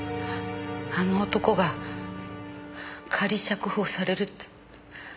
あの男が仮釈放されるってそう手紙に。